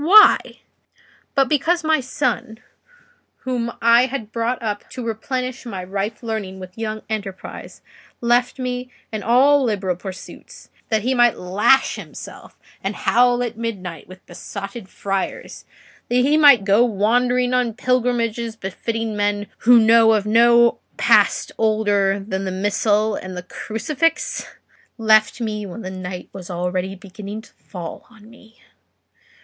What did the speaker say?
Why? but because my son, whom I had brought up to replenish my ripe learning with young enterprise, left me and all liberal pursuits that he might lash himself and howl at midnight with besotted friars—that he might go wandering on pilgrimages befitting men who know of no past older than the missal and the crucifix?—left me when the night was already beginning to fall on me."